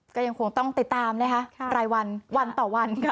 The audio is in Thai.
ก็ยังคงต้องติดตามนะคะรายวันวันต่อวันค่ะ